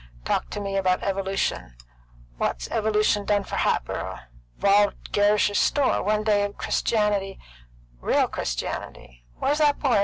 Talk me about evolution! What's evolution done for Hatboro'? 'Volved Gerrish's store. One day of Christianity real Christianity Where's that boy?